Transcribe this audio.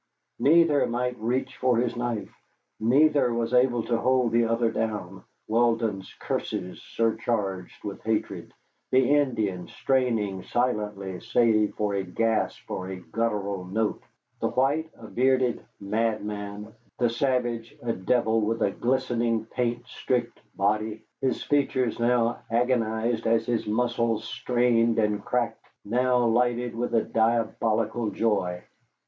Neither might reach for his knife, neither was able to hold the other down, Weldon's curses surcharged with hatred, the Indian straining silently save for a gasp or a guttural note, the white a bearded madman, the savage a devil with a glistening, paint streaked body, his features now agonized as his muscles strained and cracked, now lighted with a diabolical joy.